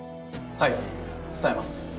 はい伝えます。